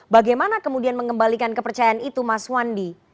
bagaimana kemudian mengembalikan kepercayaan itu mas wandi